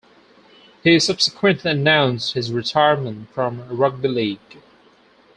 He subsequently announced his retirement from Rugby league.